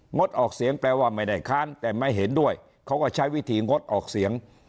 ดออกเสียงแปลว่าไม่ได้ค้านแต่ไม่เห็นด้วยเขาก็ใช้วิธีงดออกเสียง